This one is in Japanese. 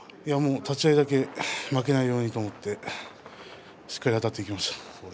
立ち合い出て負けないようにと思ってしっかりあたっていきました。